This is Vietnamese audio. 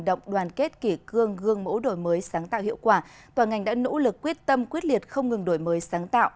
động đoàn kết kỷ cương gương mẫu đổi mới sáng tạo hiệu quả toàn ngành đã nỗ lực quyết tâm quyết liệt không ngừng đổi mới sáng tạo